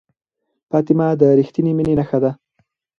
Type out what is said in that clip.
فاطمه د ریښتینې مینې نښه ده.